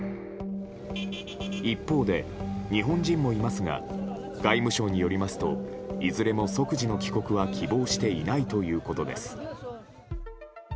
一方で、日本人もいますが外務省によりますといずれも即時の帰国は希望していないということです。